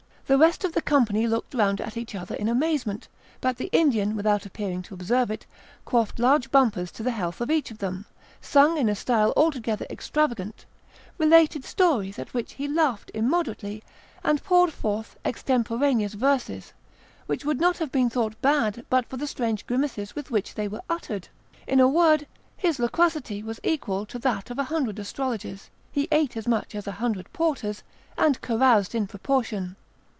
The rest of the company looked round at each other in amazement; but the Indian, without appearing to observe it, quaffed large bumpers to the health of each of them, sung in a style altogether extravagant, related stories at which he laughed immoderately, and poured forth extemporaneous verses, which would not have been thought bad but for the strange grimaces with which they were uttered. In a word, his loquacity was equal to that of a hundred astrologers; he ate as much as a hundred porters, and caroused in proportion.